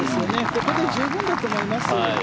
ここで十分だと思います。